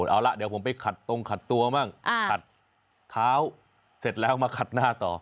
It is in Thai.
เอาละเดี๋ยวผมไปขัดตรงขัดตัวบ้างขัดเท้าเสร็จแล้วมาขัดหน้าต่อ